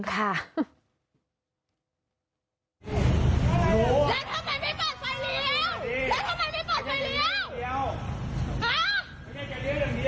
แล้วทำไมไม่เปิดไฟเลี้ยว